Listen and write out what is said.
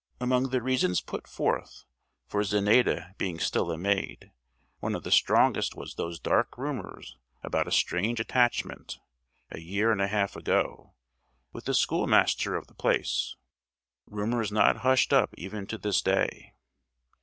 Among the reasons put forth for Zenaida being still a maid, one of the strongest was those dark rumours about a strange attachment, a year and a half ago, with the schoolmaster of the place—rumours not hushed up even to this day.